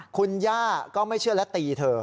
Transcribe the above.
คุณย่าก็ไม่เชื่อและตีเธอ